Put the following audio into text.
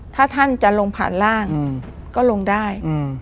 ถ้าท่านจะลงผ่านร่างก็ลงได้